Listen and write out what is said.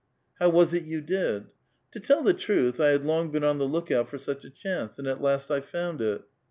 " How was it you did? " "To tell the truth, I had long been on the lookout for such a chance, and at last I found it."